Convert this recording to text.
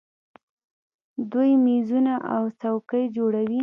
دوی میزونه او څوکۍ جوړوي.